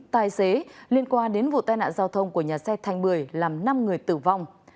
tài xế liên quan đến vụ tai nạn giao thông của nhà xe thành bưởi làm năm người tử vong